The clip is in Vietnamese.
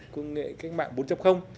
công nghệ cách mạng bốn